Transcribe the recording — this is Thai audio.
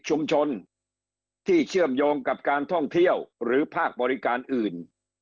ชุมชนที่เชื่อมโยงกับการท่องเที่ยวหรือภาคบริการอื่น